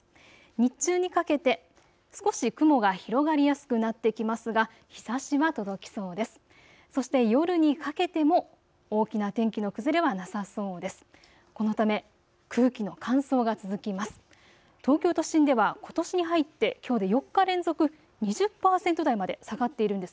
日中にかけて少し雲が広がりやすくなってきますが日ざしは届きそうです。